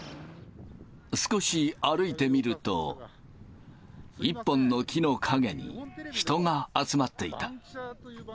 少し歩いてみると、一本の木の陰に人が集まっていた。